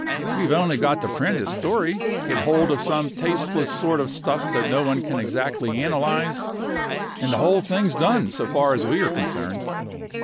We've only got to print his story, get hold of some tasteless sort of stuff that no one can exactly analyze, and the whole thing's done so far as we are concerned.